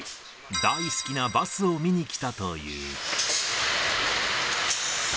大好きなバスを見にきたという。